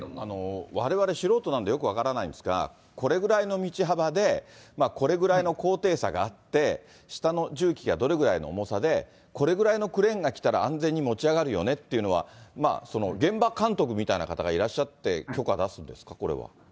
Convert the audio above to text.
われわれ、素人なんでよく分からないんですが、これぐらいの道幅でこれぐらいの高低差があって、下の重機がどれぐらいの重さで、これぐらいのクレーンが来たら安全に持ち上がるよねっていうのは、現場監督みたいな方がいらっしゃって、許可出すんですか、これは。